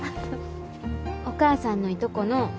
お母さんのいとこの凛ちゃん。